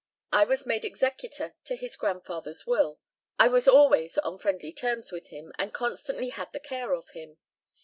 I was made executor to his grandfather's will. I was always on friendly terms with him, and constantly had the care of him.